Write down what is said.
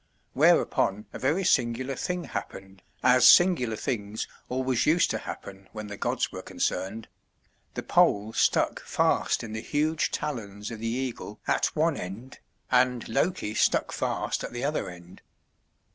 Whereupon a very singular thing happened, as singular things always used to happen when the gods were concerned: the pole stuck fast in the huge talons of the eagle at one end, and Loki stuck fast at the other end.